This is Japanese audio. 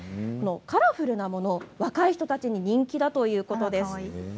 カラフルなもの若い人たちに人気だということなんです。